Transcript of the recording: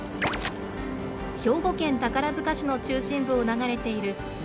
兵庫県宝塚市の中心部を流れている武庫川。